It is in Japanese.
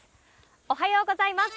おはようございます。